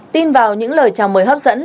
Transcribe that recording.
tin vào những lời chào mời hấp dẫn